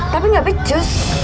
tapi gak becus